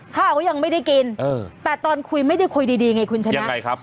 ข้าวก็ยังไม่ได้กินแต่ตอนคุยไม่ได้คุยดีไงคุณชนะยังไงครับ